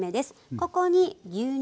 ここに牛乳。